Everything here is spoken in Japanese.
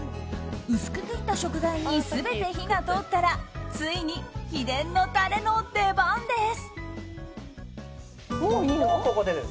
薄く切った食材に全て火が通ったらついに秘伝のタレの出番です！